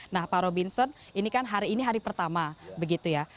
nah pak robinson ini kan hari ini hari pertama begitu ya